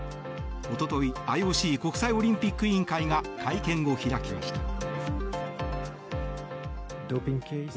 おととい、ＩＯＣ・国際オリンピック委員会が会見を開きました。